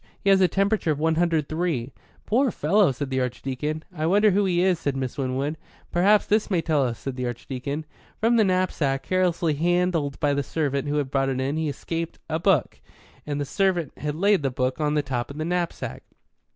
He has a temperature of 103." "Poor fellow!" said the Archdeacon. "I wonder who he is," said Miss Winwood. "Perhaps this may tell us," said the Archdeacon. From the knapsack, carelessly handled by the servant who had brought it in, had escaped a book, and the servant had laid the book on the top of the knapsack.